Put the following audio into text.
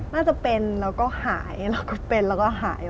น่าจะเป็นแล้วก็หายแล้วก็เป็นแล้วก็หาย